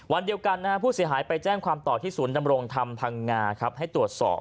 วันเดียวกันผู้เสียหายไปแจ้งความต่อที่ศูนย์ดำรงธรรมพังงาครับให้ตรวจสอบ